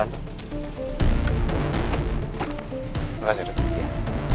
terima kasih tuhan